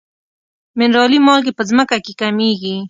منرالي مالګې په ځمکه کې کمیږي.